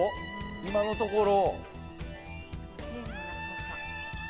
今のところ。